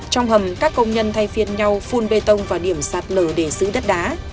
trong hầm các công nhân thay phiên nhau phun bê tông vào điểm sạt lở để giữ đất đá